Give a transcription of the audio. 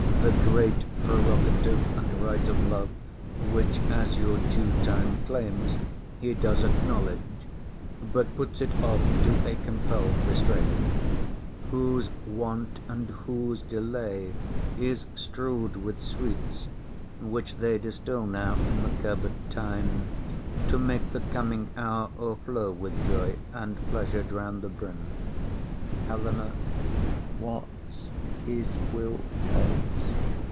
The great prerogative and right of love, Which, as your due, time claims, he does acknowledge; But puts it off to a compell'd restraint; Whose want, and whose delay, is strew'd with sweets; Which they distil now in the curbed time, To make the coming hour o'erflow with joy And pleasure drown the brim. HELENA. What's his will else?